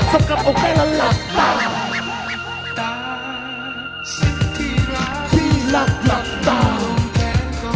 สมกำเอาไงละหลักตา